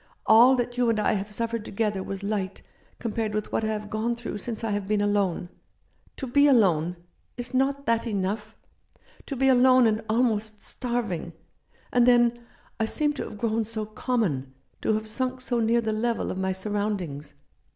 All that you and I have suffered together was light compared with what I have gone through since I have been alone. To be alone ! Is not that 18 " How should I greet Thee ?" enough ? To be alone and almost starving. And then I seem to have grown so common, to have sunk so near the level of my surroundings.